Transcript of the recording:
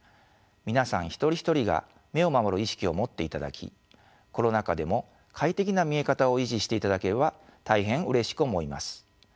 皆さん一人一人が目を守る意識を持っていただきコロナ禍でも快適な見え方を維持していただければ大変うれしく思います。